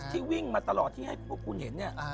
ที่วิ่งมาตลอดที่ให้พวกคุณเห็นเนี่ย